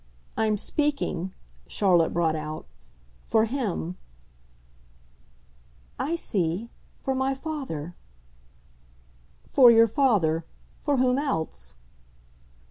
I'm speaking," Charlotte brought out, "for HIM." "I see. For my father." "For your father. For whom else?"